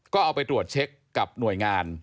ก็เอาไปตรวจเช็คกับหน่วยงาน